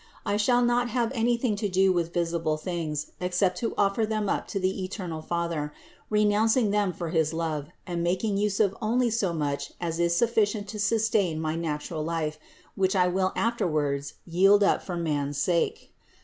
I shall not have anything to do with visible things except to offer them up to the eternal Father, re nouncing them for his love, and making use of only so much as is sufficient to sustain my natural life, which I will afterwards yield up for man's sake.